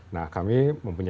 nah kami mempunyai